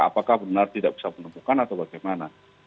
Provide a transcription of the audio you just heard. apakah benar tidak bisa menemukan atau bagaimana